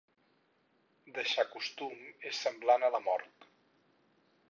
Deixar costum és semblant a la mort.